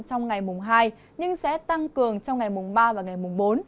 trong ngày mùng hai nhưng sẽ tăng cường trong ngày mùng ba và ngày mùng bốn